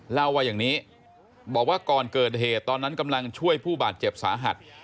เล่าว่าอย่างนี้บอกว่าก่อนเกิดเหตุตอนนั้นกำลังช่วยผู้บาดเจ็บสาหัส